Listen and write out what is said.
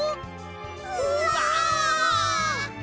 うわ！